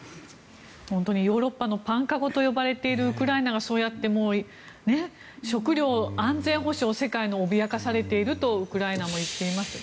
本当に、ヨーロッパのパン籠と呼ばれているウクライナがそうやって食料安全保障を世界が脅かされているとウクライナも言っています。